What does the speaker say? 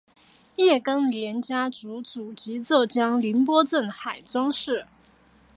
叶庚年家族祖籍浙江宁波镇海庄市。